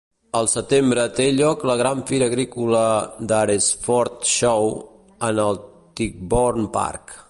Al setembre té lloc la gran fira agrícola d'Alresford Show, en el Tichborne Park.